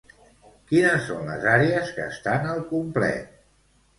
Quines són les àrees que estan al complet?